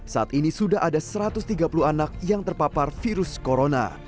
saat ini sudah ada satu ratus tiga puluh anak yang terpapar virus corona